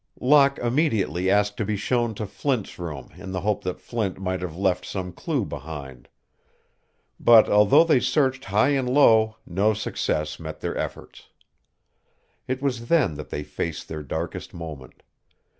Locke immediately asked to be shown to Flint's room in the hope that Flint might have left some clue behind. But, although they searched high and low, no success met their efforts. It was then that they faced their darkest moment.